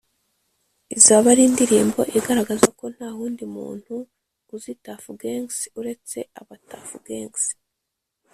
Izaba ari indirimbo igaragaza ko nta wundi muntu uzi Tuff Gangs uretse aba Tuff Gangs